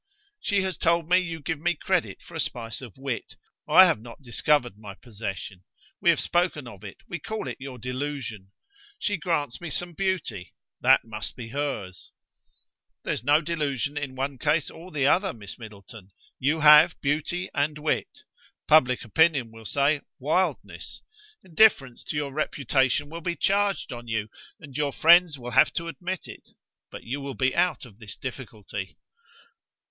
"She has told me you give me credit for a spice of wit. I have not discovered my possession. We have spoken of it; we call it your delusion. She grants me some beauty; that must be hers." "There's no delusion in one case or the other, Miss Middleton. You have beauty and wit; public opinion will say, wildness: indifference to your reputation will be charged on you, and your friends will have to admit it. But you will be out of this difficulty."